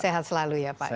sehat selalu ya pak ya